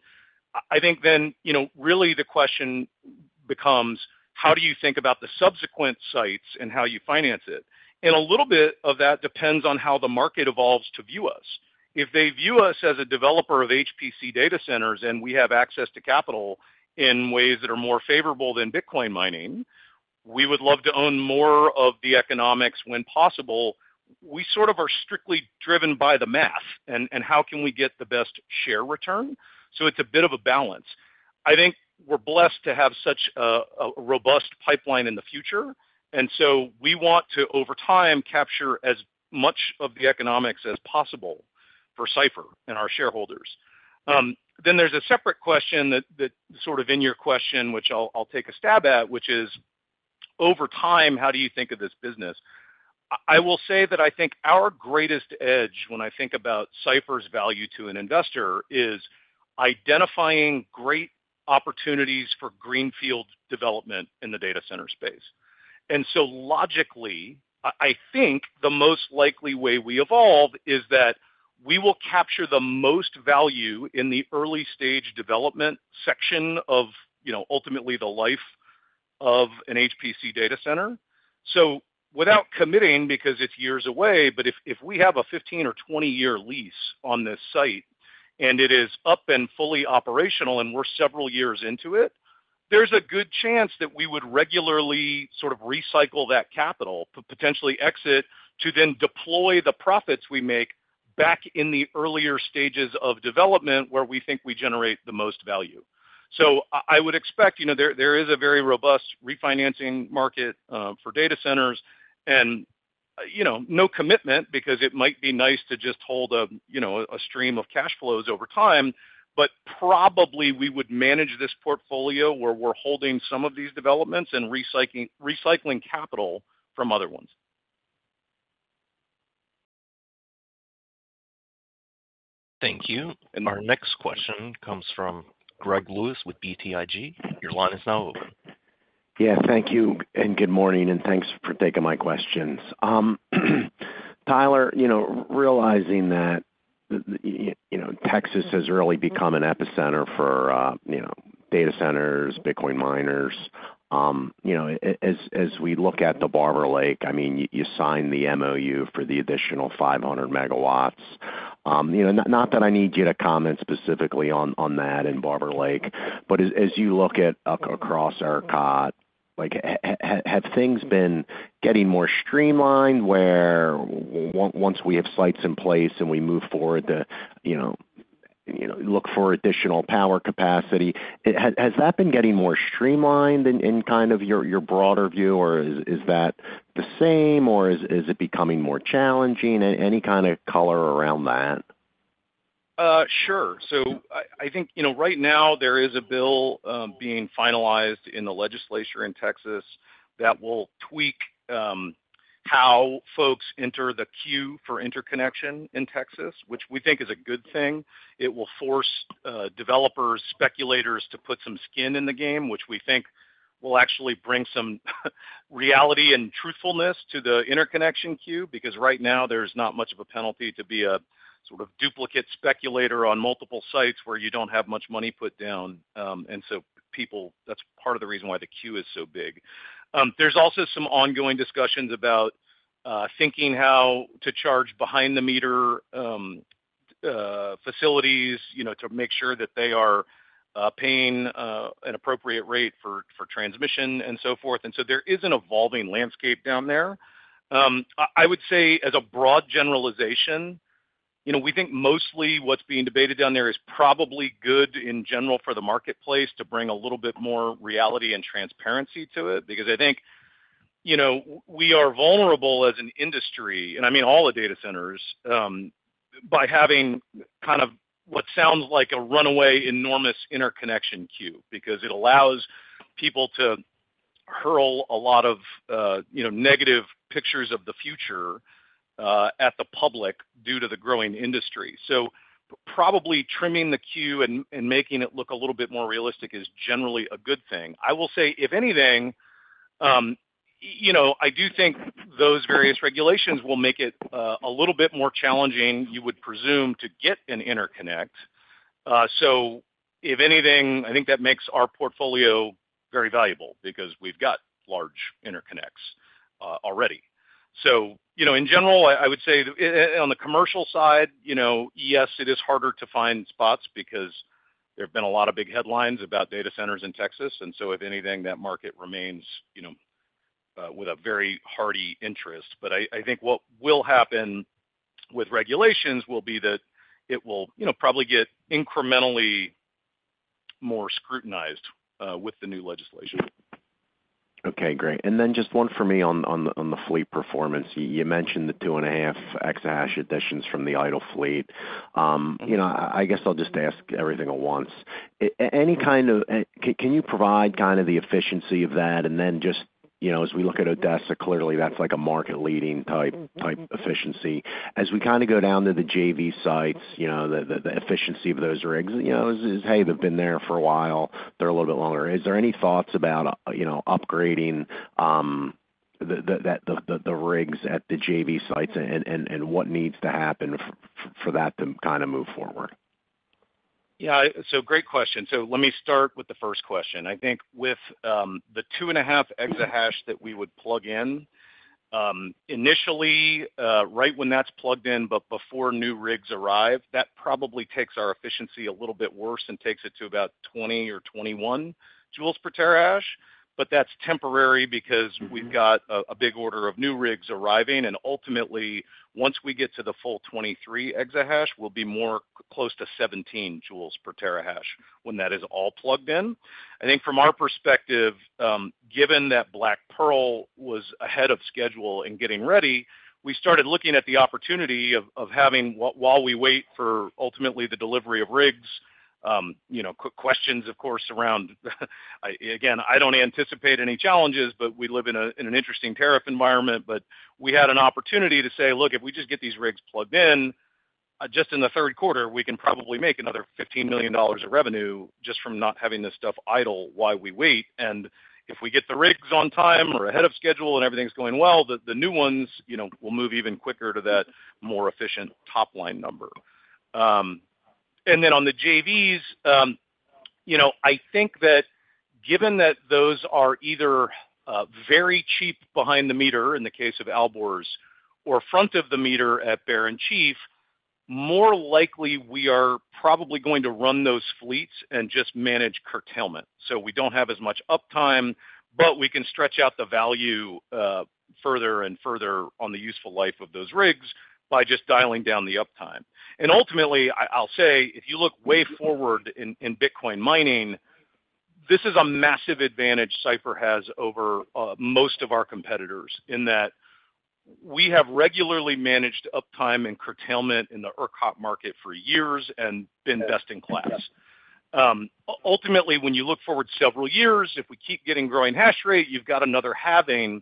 I think then really the question becomes, how do you think about the subsequent sites and how you finance it? A little bit of that depends on how the market evolves to view us. If they view us as a developer of HPC data centers and we have access to capital in ways that are more favorable than Bitcoin mining, we would love to own more of the economics when possible. We sort of are strictly driven by the math and how can we get the best share return. It is a bit of a balance. I think we are blessed to have such a robust pipeline in the future. We want to, over time, capture as much of the economics as possible for Cipher and our shareholders. There is a separate question that is sort of in your question, which I will take a stab at, which is, over time, how do you think of this business? I will say that I think our greatest edge when I think about Cipher's value to an investor is identifying great opportunities for greenfield development in the data center space. I think the most likely way we evolve is that we will capture the most value in the early-stage development section of ultimately the life of an HPC data center. Without committing, because it is years away, if we have a 15 or 20-year lease on this site and it is up and fully operational and we are several years into it, there is a good chance that we would regularly sort of recycle that capital, potentially exit to then deploy the profits we make back in the earlier stages of development where we think we generate the most value. I would expect there is a very robust refinancing market for data centers and no commitment because it might be nice to just hold a stream of cash flows over time, but probably we would manage this portfolio where we're holding some of these developments and recycling capital from other ones. Thank you. Our next question comes from Greg Lewis with BTIG. Your line is now open. Yeah. Thank you. Good morning. Thanks for taking my questions. Tyler, realizing that Texas has really become an epicenter for data centers, Bitcoin miners, as we look at the Barber Lake, I mean, you signed the MOU for the additional 500 MW. Not that I need you to comment specifically on that in Barber Lake, but as you look at across our cot, have things been getting more streamlined where once we have sites in place and we move forward to look for additional power capacity, has that been getting more streamlined in kind of your broader view, or is that the same, or is it becoming more challenging? Any kind of color around that? Sure. I think right now there is a bill being finalized in the legislature in Texas that will tweak how folks enter the queue for interconnection in Texas, which we think is a good thing. It will force developers, speculators to put some skin in the game, which we think will actually bring some reality and truthfulness to the interconnection queue because right now there is not much of a penalty to be a sort of duplicate speculator on multiple sites where you do not have much money put down. That is part of the reason why the queue is so big. There are also some ongoing discussions about thinking how to charge behind-the-meter facilities to make sure that they are paying an appropriate rate for transmission and so forth. There is an evolving landscape down there. I would say as a broad generalization, we think mostly what's being debated down there is probably good in general for the marketplace to bring a little bit more reality and transparency to it because I think we are vulnerable as an industry, and I mean all the data centers, by having kind of what sounds like a runaway enormous interconnection queue because it allows people to hurl a lot of negative pictures of the future at the public due to the growing industry. Probably trimming the queue and making it look a little bit more realistic is generally a good thing. I will say, if anything, I do think those various regulations will make it a little bit more challenging, you would presume, to get an interconnect. If anything, I think that makes our portfolio very valuable because we've got large interconnects already. In general, I would say on the commercial side, yes, it is harder to find spots because there have been a lot of big headlines about data centers in Texas. If anything, that market remains with a very hearty interest. I think what will happen with regulations will be that it will probably get incrementally more scrutinized with the new legislation. Okay. Great. Then just one for me on the fleet performance. You mentioned the 2.5 XH additions from the idle fleet. I guess I'll just ask everything at once. Can you provide kind of the efficiency of that? Just as we look at Odessa, clearly that's like a market-leading type efficiency. As we kind of go down to the JV sites, the efficiency of those rigs is, hey, they've been there for a while. They're a little bit longer. Is there any thoughts about upgrading the rigs at the JV sites and what needs to happen for that to kind of move forward? Yeah. Great question. Let me start with the first question. I think with the 2.5 EH that we would plug in, initially, right when that is plugged in, but before new rigs arrive, that probably takes our efficiency a little bit worse and takes it to about 20 or 21 J/TH. That is temporary because we have got a big order of new rigs arriving. Ultimately, once we get to the full 23 XH, we will be more close to 17 J/TH when that is all plugged in. I think from our perspective, given that Black Pearl was ahead of schedule in getting ready, we started looking at the opportunity of having, while we wait for ultimately the delivery of rigs, questions, of course, around again, I do not anticipate any challenges, but we live in an interesting tariff environment. We had an opportunity to say, "Look, if we just get these rigs plugged in just in the third quarter, we can probably make another $15 million of revenue just from not having this stuff idle while we wait." If we get the rigs on time or ahead of schedule and everything is going well, the new ones will move even quicker to that more efficient top-line number. On the JVs, I think that given that those are either very cheap behind-the-meter in the case of Alborz or front-of-the-meter at Bear and Chief, more likely we are probably going to run those fleets and just manage curtailment. We do not have as much uptime, but we can stretch out the value further and further on the useful life of those rigs by just dialing down the uptime. Ultimately, I'll say, if you look way forward in Bitcoin mining, this is a massive advantage Cipher has over most of our competitors in that we have regularly managed uptime and curtailment in the ERCOT market for years and been best in class. Ultimately, when you look forward several years, if we keep getting growing hash rate, you've got another halving.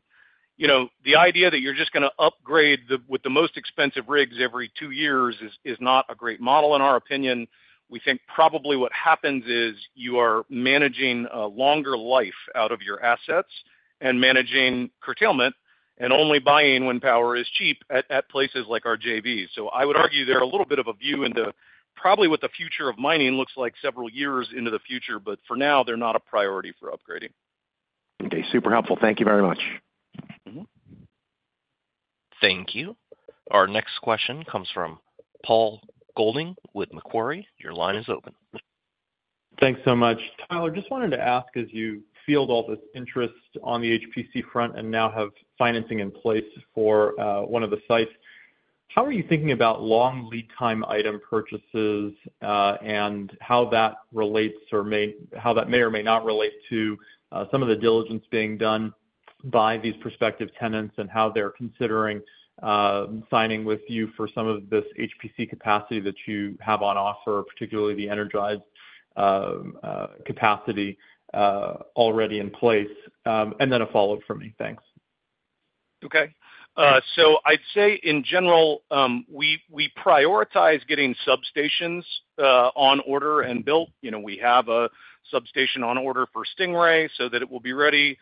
The idea that you're just going to upgrade with the most expensive rigs every 2 years is not a great model. In our opinion, we think probably what happens is you are managing a longer life out of your assets and managing curtailment and only buying when power is cheap at places like our JVs. I would argue they're a little bit of a view into probably what the future of mining looks like several years into the future, but for now, they're not a priority for upgrading. Okay. Super helpful. Thank you very much. Thank you. Our next question comes from Paul Golding with Macquarie. Your line is open. Thanks so much. Tyler, just wanted to ask, as you field all this interest on the HPC front and now have financing in place for one of the sites, how are you thinking about long lead-time item purchases and how that relates or how that may or may not relate to some of the diligence being done by these prospective tenants and how they're considering signing with you for some of this HPC capacity that you have on offer, particularly the energized capacity already in place? A follow-up from me. Thanks. Okay. I'd say in general, we prioritize getting substations on order and built. We have a substation on order for Stingray so that it will be ready.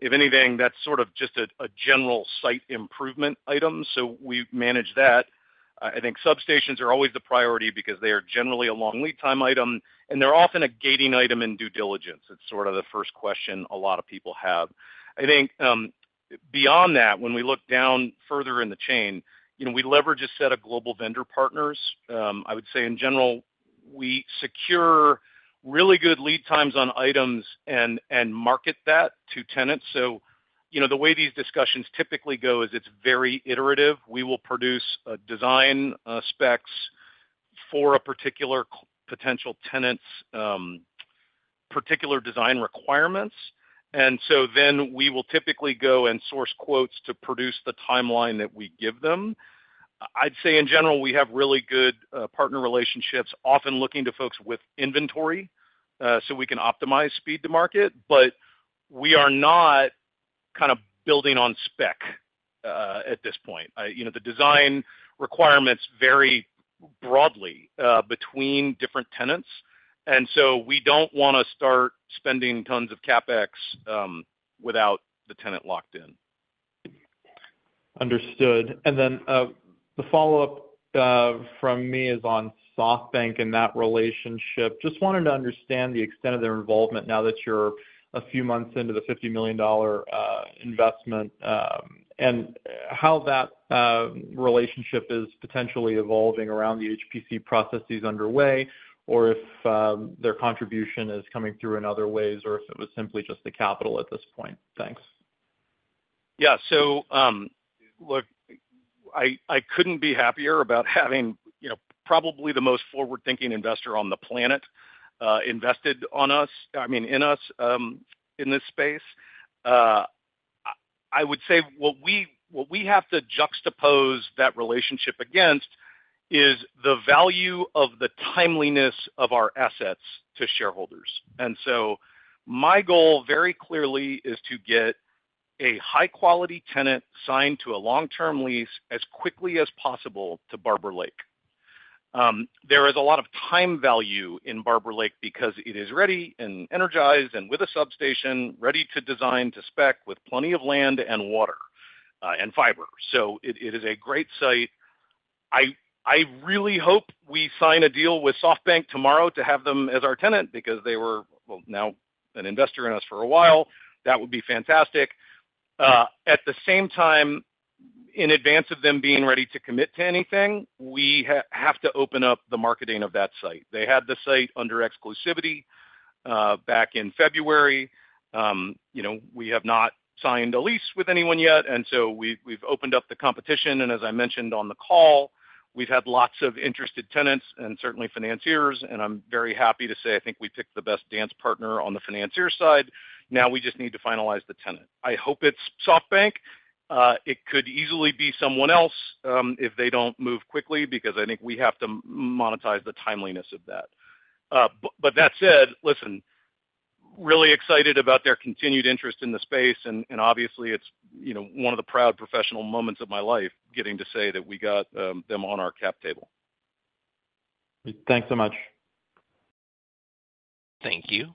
If anything, that's sort of just a general site improvement item. We manage that. I think substations are always the priority because they are generally a long lead-time item, and they're often a gating item in due diligence. It's sort of the first question a lot of people have. I think beyond that, when we look down further in the chain, we leverage a set of global vendor partners. I would say in general, we secure really good lead times on items and market that to tenants. The way these discussions typically go is it's very iterative. We will produce design specs for a particular potential tenant's particular design requirements. We will typically go and source quotes to produce the timeline that we give them. I'd say in general, we have really good partner relationships, often looking to folks with inventory so we can optimize speed to-market, but we are not kind of building on spec at this point. The design requirements vary broadly between different tenants. We do not want to start spending tons of CapEx without the tenant locked in. Understood. The follow-up from me is on SoftBank and that relationship. Just wanted to understand the extent of their involvement now that you're a few months into the $50 million investment and how that relationship is potentially evolving around the HPC processes underway or if their contribution is coming through in other ways or if it was simply just the capital at this point. Thanks. Yeah. Look, I could not be happier about having probably the most forward-thinking investor on the planet invested in us in this space. I would say what we have to juxtapose that relationship against is the value of the timeliness of our assets to shareholders. My goal very clearly is to get a high-quality tenant signed to a long-term lease as quickly as possible to Barber Lake. There is a lot of time value in Barber Lake because it is ready and energized and with a substation, ready to design to spec with plenty of land and water and fiber. It is a great site. I really hope we sign a deal with SoftBank tomorrow to have them as our tenant because they were, well, now an investor in us for a while. That would be fantastic. At the same time, in advance of them being ready to commit to anything, we have to open up the marketing of that site. They had the site under exclusivity back in February. We have not signed a lease with anyone yet. We have opened up the competition. As I mentioned on the call, we've had lots of interested tenants and certainly financiers. I'm very happy to say I think we picked the best dance partner on the financier side. Now we just need to finalize the tenant. I hope it's SoftBank. It could easily be someone else if they don't move quickly because I think we have to monetize the timeliness of that. That said, listen, really excited about their continued interest in the space. Obviously, it's one of the proud professional moments of my life getting to say that we got them on our cap table. Thanks so much. Thank you.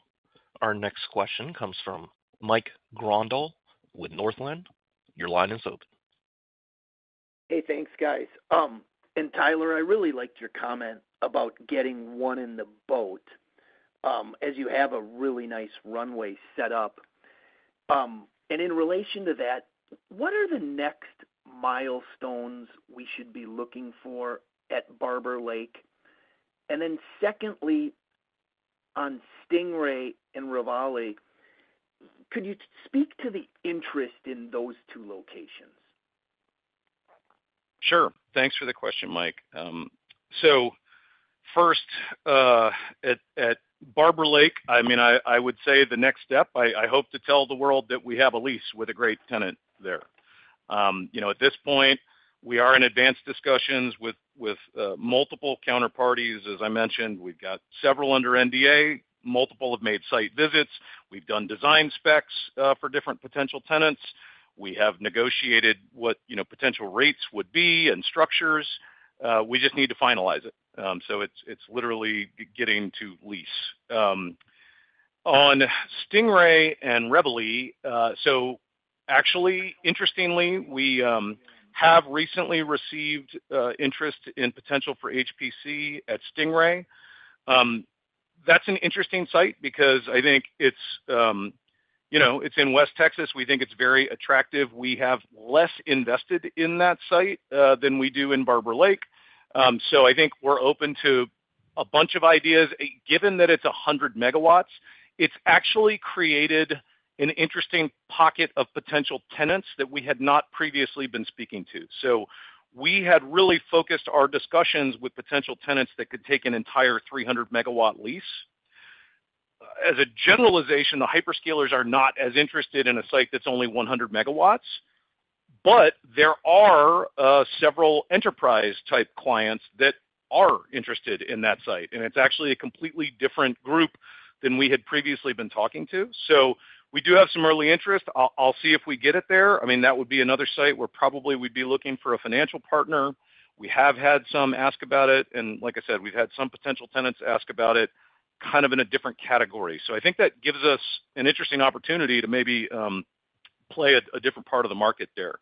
Our next question comes from Mike Grondahl with Northland. Your line is open. Hey, thanks, guys. Tyler, I really liked your comment about getting one in the boat as you have a really nice runway set up. In relation to that, what are the next milestones we should be looking for at Barber Lake? Secondly, on Stingray and Reveille, could you speak to the interest in those two locations? Sure. Thanks for the question, Mike. First, at Barber Lake, I would say the next step, I hope to tell the world that we have a lease with a great tenant there. At this point, we are in advanced discussions with multiple counterparties. As I mentioned, we have several under NDA. Multiple have made site visits. We have done design specs for different potential tenants. We have negotiated what potential rates would be and structures. We just need to finalize it. It is literally getting to lease. On Stingray and Reveille, actually, interestingly, we have recently received interest in potential for HPC at Stingray. That's an interesting site because I think it's in West Texas. We think it's very attractive. We have less invested in that site than we do in Barber Lake. I think we're open to a bunch of ideas. Given that it's 100 MW, it's actually created an interesting pocket of potential tenants that we had not previously been speaking to. We had really focused our discussions with potential tenants that could take an entire 300 MW lease. As a generalization, the hyperscalers are not as interested in a site that's only 100 MW, but there are several enterprise-type clients that are interested in that site. It's actually a completely different group than we had previously been talking to. We do have some early interest. I'll see if we get it there. I mean, that would be another site where probably we'd be looking for a financial partner. We have had some ask about it. Like I said, we've had some potential tenants ask about it kind of in a different category. I think that gives us an interesting opportunity to maybe play a different part of the market there.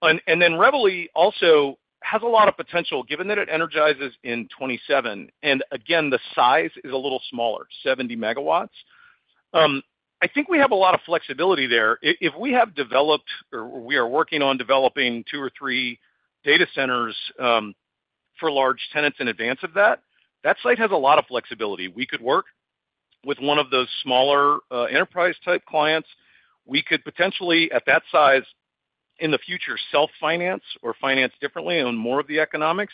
Reveille also has a lot of potential given that it energizes in 2027. Again, the size is a little smaller, 70 MW. I think we have a lot of flexibility there. If we have developed or we are working on developing two or three data centers for large tenants in advance of that, that site has a lot of flexibility. We could work with one of those smaller enterprise-type clients. We could potentially, at that size, in the future, self-finance or finance differently on more of the economics.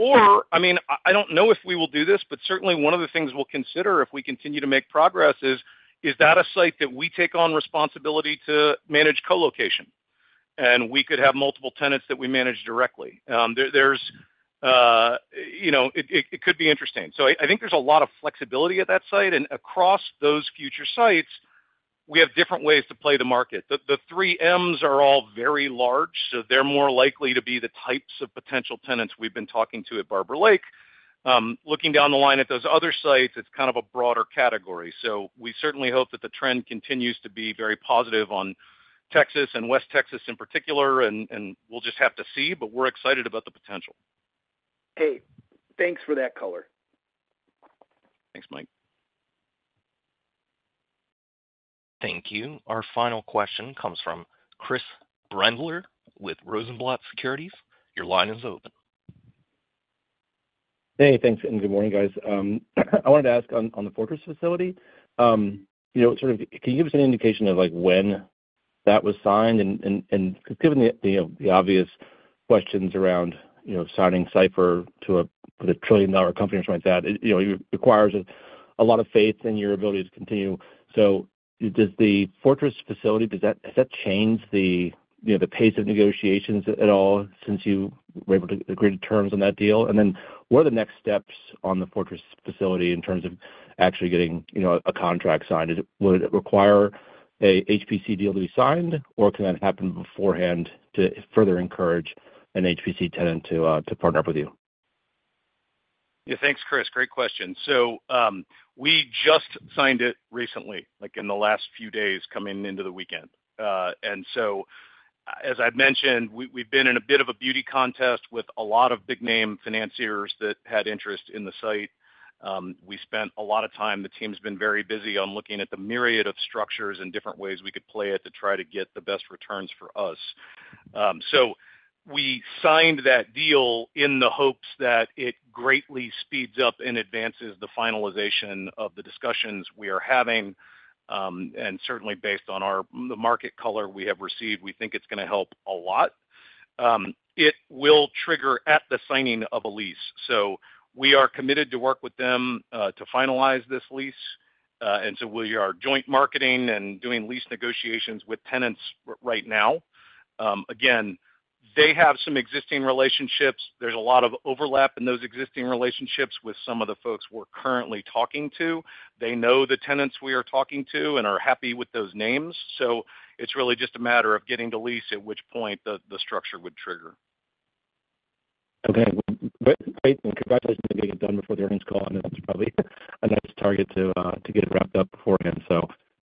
I mean, I do not know if we will do this, but certainly one of the things we will consider if we continue to make progress is, is that a site that we take on responsibility to manage co-location? We could have multiple tenants that we manage directly. It could be interesting. I think there is a lot of flexibility at that site. Across those future sites, we have different ways to play the market. The three Ms are all very large, so they are more likely to be the types of potential tenants we have been talking to at Barber Lake. Looking down the line at those other sites, it is kind of a broader category. We certainly hope that the trend continues to be very positive on Texas and West Texas in particular, and we will just have to see, but we are excited about the potential. Hey, thanks for that color. Thanks, Mike. Thank you. Our final question comes from Chris Brendler with Rosenblatt Securities. Your line is open. Hey, thanks. And good morning, guys. I wanted to ask on the Fortress facility, sort of can you give us an indication of when that was signed? And given the obvious questions around signing Cipher to a trillion-dollar company or something like that, it requires a lot of faith in your ability to continue. So does the Fortress facility, has that changed the pace of negotiations at all since you were able to agree to terms on that deal? And then what are the next steps on the Fortress facility in terms of actually getting a contract signed? Would it require an HPC deal to be signed, or can that happen beforehand to further encourage an HPC tenant to partner up with you? Yeah, thanks, Chris. Great question. We just signed it recently, like in the last few days coming into the weekend. As I've mentioned, we've been in a bit of a beauty contest with a lot of big-name financiers that had interest in the site. We spent a lot of time. The team's been very busy on looking at the myriad of structures and different ways we could play it to try to get the best returns for us. We signed that deal in the hopes that it greatly speeds up and advances the finalization of the discussions we are having. Certainly, based on the market color we have received, we think it's going to help a lot. It will trigger at the signing of a lease. We are committed to work with them to finalize this lease. We are joint marketing and doing lease negotiations with tenants right now. They have some existing relationships. There is a lot of overlap in those existing relationships with some of the folks we are currently talking to. They know the tenants we are talking to and are happy with those names. It is really just a matter of getting the lease at which point the structure would trigger. Great. Congratulations on getting it done before the earnings call. That is probably a nice target to get it wrapped up beforehand.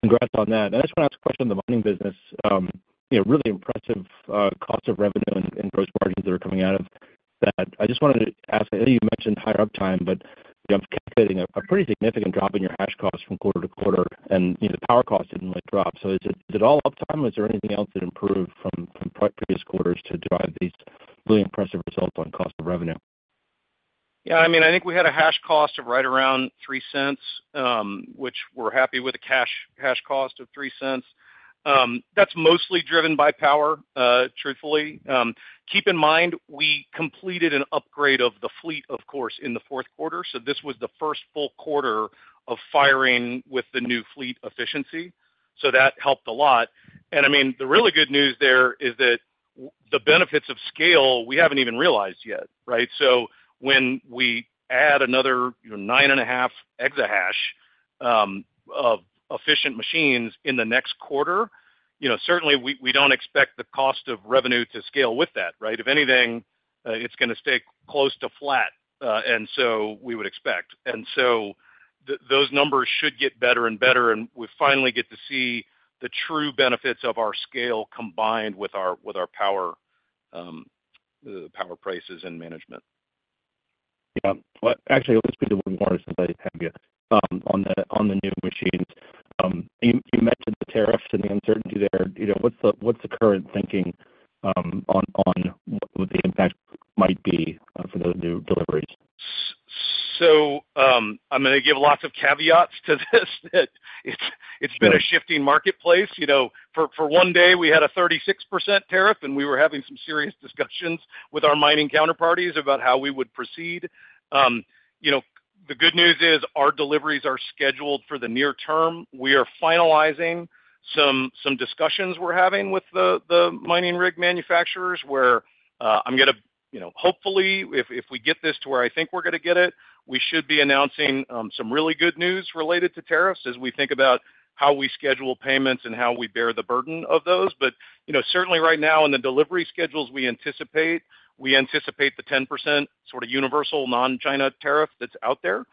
Congrats on that. I just want to ask a question on the mining business. Really impressive cost of revenue and gross margins that are coming out of that. I just wanted to ask, I know you mentioned higher uptime, but I am calculating a pretty significant drop in your hash cost from quarter to quarter. The power cost did not really drop. Is it all uptime? Is there anything else that improved from previous quarters to drive these really impressive results on cost of revenue? Yeah. I mean, I think we had a hash cost of right around $0.03, which we are happy with, a cash hash cost of $0.03. That is mostly driven by power, truthfully. Keep in mind, we completed an upgrade of the fleet, of course, in the fourth quarter. This was the first full quarter of firing with the new fleet efficiency. That helped a lot. I mean, the really good news there is that the benefits of scale, we have not even realized yet, right? When we add another 9.5 EH of efficient machines in the next quarter, certainly we do not expect the cost of revenue to scale with that, right? If anything, it's going to stay close to flat, and we would expect. Those numbers should get better and better. We finally get to see the true benefits of our scale combined with our power prices and management. Yeah. Actually, let's do one more since I have you on the new machines. You mentioned the tariffs and the uncertainty there. What's the current thinking on what the impact might be for those new deliveries? I'm going to give lots of caveats to this. It's been a shifting marketplace. For one day, we had a 36% tariff, and we were having some serious discussions with our mining counterparties about how we would proceed. The good news is our deliveries are scheduled for the near term. We are finalizing some discussions we're having with the mining rig manufacturers where I'm going to hopefully, if we get this to where I think we're going to get it, we should be announcing some really good news related to tariffs as we think about how we schedule payments and how we bear the burden of those. Certainly right now, in the delivery schedules we anticipate, we anticipate the 10% sort of universal non-China tariff that's out there.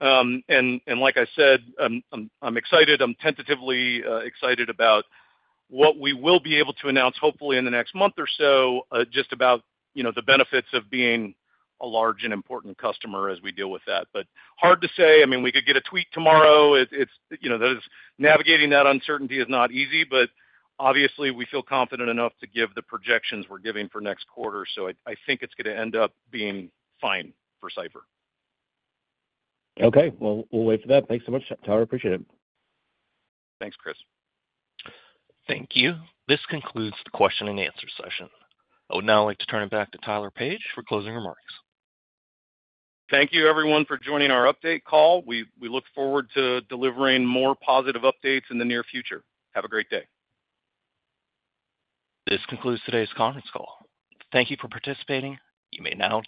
Like I said, I'm excited. I'm tentatively excited about what we will be able to announce, hopefully, in the next month or so, just about the benefits of being a large and important customer as we deal with that. Hard to say. I mean, we could get a tweet tomorrow. Navigating that uncertainty is not easy, but obviously, we feel confident enough to give the projections we're giving for next quarter. I think it's going to end up being fine for Cipher. Okay. We'll wait for that. Thanks so much, Tyler. Appreciate it. Thanks, Chris. Thank you. This concludes the question and answer session. I would now like to turn it back to Tyler Page for closing remarks. Thank you, everyone, for joining our update call. We look forward to delivering more positive updates in the near future. Have a great day. This concludes today's conference call. Thank you for participating. You may now.